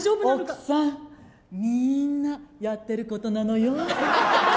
奥さん、みーんなやってることなのよ。